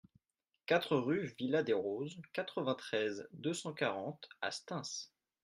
quatre rue Villa des Roses, quatre-vingt-treize, deux cent quarante à Stains